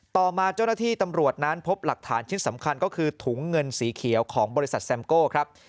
ต่อมาเจ้าหน้าที่ตำรวจนั้นพบหลักฐานชิ้นสำคัญก็คือถุงเงินสีเขียวของบริษัทแซมโก้ครับ